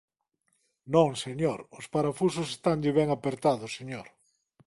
Non, señor. Os parafusos estanlle ben apertados, señor.